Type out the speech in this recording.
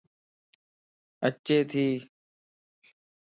اڇي ڀي